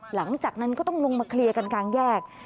หลังจากนั้นก็ต้องลงมาเคลียร์กันกลางแยก